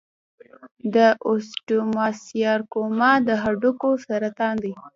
د اوسټیوسارکوما د هډوکو سرطان دی.